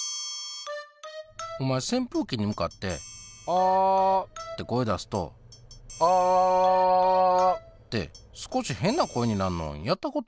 お前せんぷうきに向かって「あ」って声出すと「あぁあぁ」って少し変な声になるのやったことある？